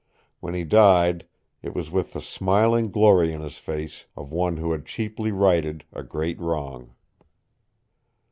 When he died, it was with the smiling glory in his face of one who had cheaply righted a great wrong.